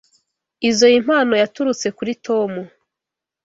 Izoi mpano yaturutse kuri Tom.